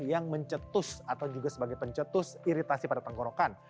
yang mencetus atau juga sebagai pencetus iritasi pada tenggorokan